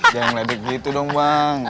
jangan ledek gitu dong bang